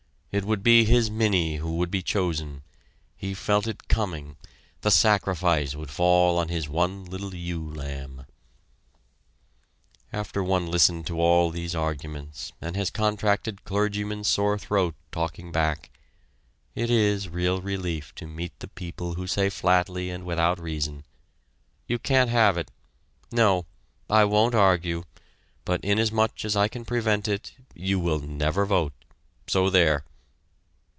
It would be his Minnie who would be chosen he felt it coming, the sacrifice would fall on his one little ewe lamb. After one has listened to all these arguments and has contracted clergyman's sore throat talking back, it is real relief to meet the people who say flatly and without reason: "You can't have it no I won't argue but inasmuch as I can prevent it you will never vote! So there!"